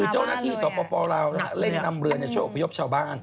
ถือเจ้าหน้าที่ศพปลาวเล่นนำเรือนในช่วงอุปยบชาวบ้าน